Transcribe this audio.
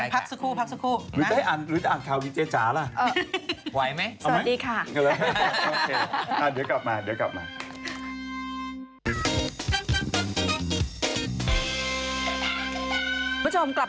พอพูดแล้วแบ่งกัน